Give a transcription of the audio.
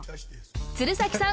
鶴崎さん